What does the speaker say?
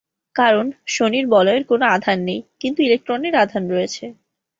কারণ, শনির বলয়ের কোন আধান নেই, কিন্তু ইলেকট্রনের আধান রয়েছে।